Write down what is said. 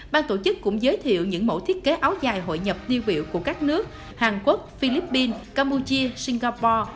ban tổ chức cũng giới thiệu những mẫu thiết kế áo dài hội nhập tiêu biểu của các nước hàn quốc philippines campuchia singapore